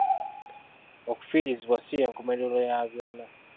Okufiirizibwa si y'enkomerero ya byonna.